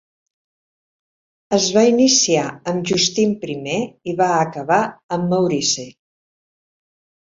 Es va iniciar amb Justin I i va acabar amb Maurice.